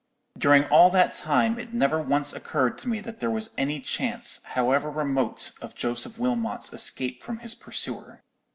"During all that time it never once occurred to me that there was any chance, however remote, of Joseph Wilmot's escape from his pursuer.